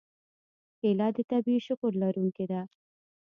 کېله د طبیعي شکر لرونکې ده.